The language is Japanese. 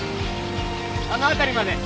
あの辺りまで競争！